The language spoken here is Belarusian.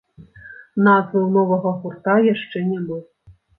Назвы ў новага гурта яшчэ няма.